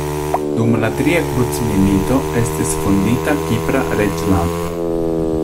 Dum la tria krucmilito estis fondita Kipra reĝlando.